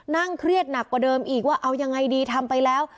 นั่งเครียดหนักกว่าเดิมอีกว่าเอายังไงดีทำไปแล้ว